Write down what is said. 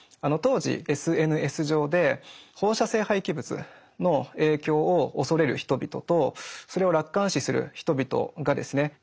当時ＳＮＳ上で放射性廃棄物の影響を恐れる人々とそれを楽観視する人々がですね